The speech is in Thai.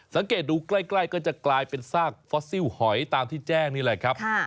สังเกตดูใกล้ก็จะกลายเป็นซากฟอสซิลหอยตามที่แจ้งนี่แหละครับ